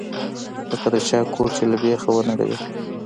لکه د چا کور چې له بيخه ونړوې.